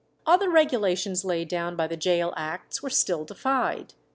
Other regulations laid down by the Gaol Acts were still defied.